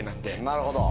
なるほど。